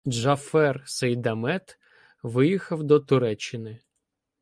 Джафер Сейдамет виїхав до Туреччини.